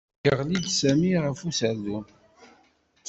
Yeɣli-d Sami ɣef userdun.